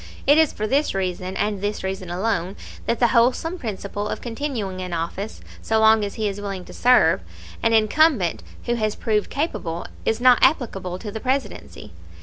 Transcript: It is for this reason, and this reason alone, that the wholesome principle of continuing in office, so long as he is willing to serve, an incumbent who has proved capable, is not applicable to the Presidency.